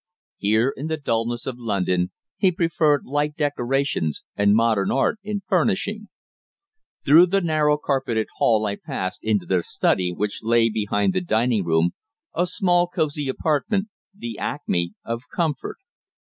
Here, in the dulness of London, he preferred light decorations and modern art in furnishing. Through the rather narrow carpeted hall I passed into the study which lay behind the dining room, a small, cosy apartment the acme of comfort.